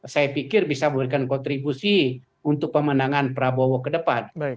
saya pikir bisa memberikan kontribusi untuk pemenangan prabowo ke depan